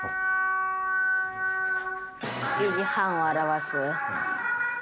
「」７時半を表す。